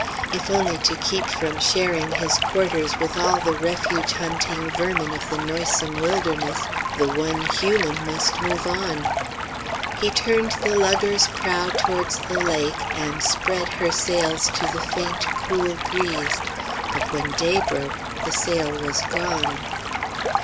If only to keep from sharing his quarters with all the refuge hunting vermin of the noisome wilderness, the one human must move on. He turned the lugger's prow towards the lake, and spread her sails to the faint, cool breeze. But when day broke, the sail was gone.